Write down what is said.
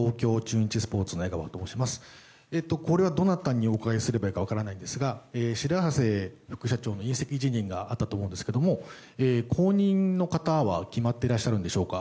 これはどなたにお伺いすればいいか分からないんですが白波瀬副社長の引責辞任があったと思うんですけれども後任の方は決まっていらっしゃるんでしょうか。